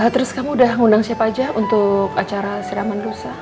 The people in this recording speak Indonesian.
terus kamu udah ngundang siapa aja untuk acara siraman rusa